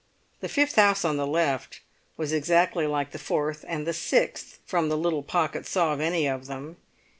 The fifth house on the left was exactly like the fourth and the sixth from the little Pocket saw of any of them.